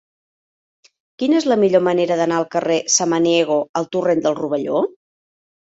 Quina és la millor manera d'anar del carrer de Samaniego al torrent del Rovelló?